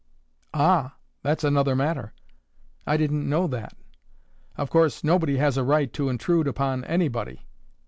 "Ah! that's another matter. I didn't know that. Of course, nobody has a right to intrude upon anybody.